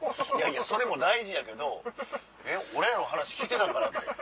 それも大事やけど俺らの話聞いてたんかなって。